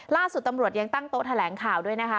ล่าสุดตำรวจยังตั้งโต๊ะแถลงข่าวด้วยนะคะ